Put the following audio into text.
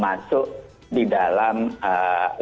masuk di dalam ee